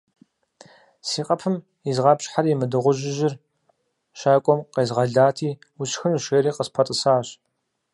- Си къэпым изгъапщхьэри мы дыгъужьыжьыр щакӏуэм къезгъэлати, «усшхынущ» жери къыспэтӏысащ.